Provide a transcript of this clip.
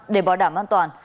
để bỏ đảm an toàn